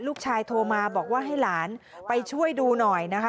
โทรมาบอกว่าให้หลานไปช่วยดูหน่อยนะคะ